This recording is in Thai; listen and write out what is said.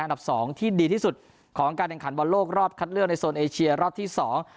อันดับสองที่ดีที่สุดของการแข่งขันบอลโลกรอบคัดเลือกในโซนเอเชียรอบที่สอง